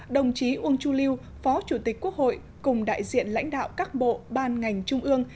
đồng chí uông chu lưu phó chủ tịch quốc hội cùng đại diện lãnh đạo các bộ ban ngành trung ương